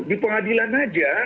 di pengadilan saja